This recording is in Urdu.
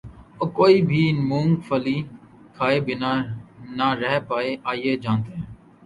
اب کوئی بھی مونگ پھلی کھائے بنا نہ رہ پائے آئیے جانتے ہیں